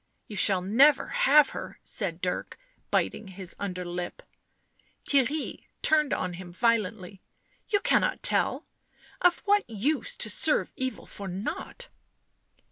" You shall never have her," said Dirk, biting his under lip. Theirry turned on him violently. " You cannot tell. Of what use to serve Evil for nought?"